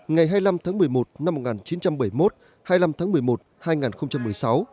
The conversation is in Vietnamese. ngày hai mươi năm tháng một mươi một năm một nghìn chín trăm bảy mươi một hai mươi năm tháng một mươi một hai nghìn một mươi sáu